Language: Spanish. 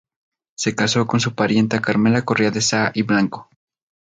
Se casó con su pariente Carmela Correa de Saa y Blanco.